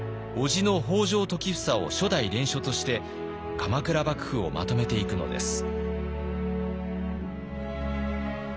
叔父の北条時房を初代連署として鎌倉幕府をまとめていくのです。